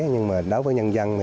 nhưng đối với nhân dân